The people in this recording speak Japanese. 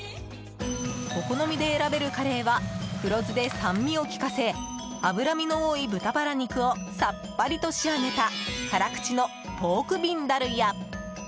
お好みで選べるカレーは黒酢で酸味を効かせ脂身の多い豚バラ肉をさっぱりと仕上げた辛口のポークビンダルや。